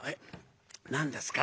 「何ですか？